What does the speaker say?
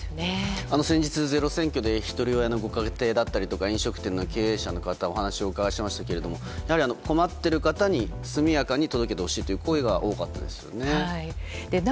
先日、「ｚｅｒｏ選挙」でひとり親の家庭だったり飲食店の経営者の方にお話を伺いましたが困ってる方に速やかに届けてほしいという声が大きかったです。